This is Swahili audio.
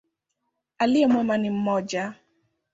Aliye mwema ni mmoja.